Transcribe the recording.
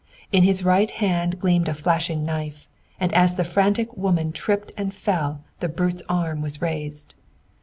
In his right hand gleamed a flashing knife, and as the frantic woman tripped and fell, the brute's arm was raised.